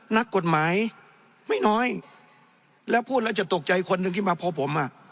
นักกฎหมายไม่น้อยแล้วพูดแล้วจะตกใจคนหนึ่งที่มาพบผมอ่ะ